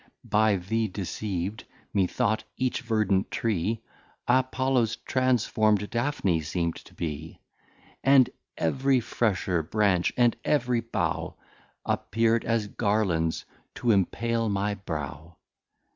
By thee deceiv'd, methought, each Verdant Tree, Apollos transform'd Daphne seem'd to be; And ev'ry fresher Branch, and ev'ry Bow Appear'd as Garlands to empale my Brow.